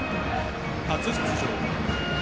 初出場。